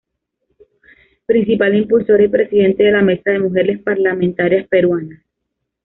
Principal impulsora y presidente de la Mesa de Mujeres Parlamentarias Peruanas.